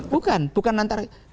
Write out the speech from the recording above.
bukan bukan antara